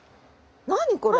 何これ？